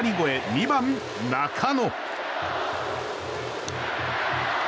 ２番、中野。